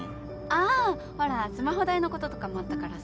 あほらスマホ代のこととかもあったからさ。